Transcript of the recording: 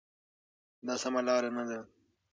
دا سمه لار نه ده.